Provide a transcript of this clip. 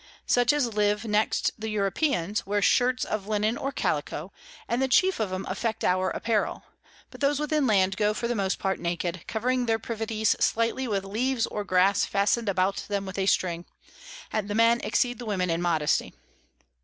Such as live next the Europeans, wear Shirts of Linen or Callico, and the chief of 'em affect our Apparel; but those within Land go for the most part naked, covering their Privities slightly with Leaves or Grass fasten'd about them with a string, and the Men exceed the Women in Modesty.